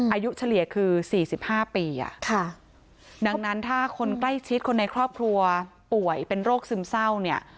อายุเฉลี่ยคือ๔๕ปีดังนั้นถ้าคนใกล้ชิดคนในครอบครัวป่วยเป็นโรคซึมเศร้าเนี่ย